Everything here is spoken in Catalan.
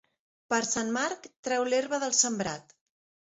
Per Sant Marc, treu l'herba del sembrat.